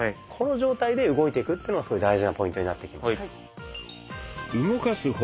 この状態で動いていくっていうのがすごい大事なポイントになってきます。